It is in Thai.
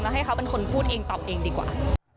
แล้วให้เขาเป็นคนพูดเองตอบเองดีกว่า